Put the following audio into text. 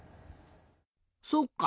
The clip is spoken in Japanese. そっか！